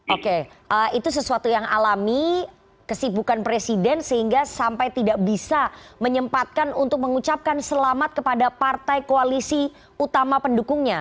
oke itu sesuatu yang alami kesibukan presiden sehingga sampai tidak bisa menyempatkan untuk mengucapkan selamat kepada partai koalisi utama pendukungnya